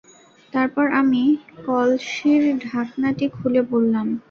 তারপর আমি কলসির ঘটনাটি খুলে বললাম।